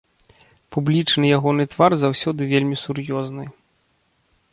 Публічны ягоны твар заўсёды вельмі сур'ёзны.